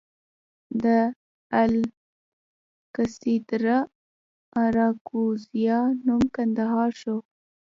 د الکسندریه اراکوزیا نوم کندهار شو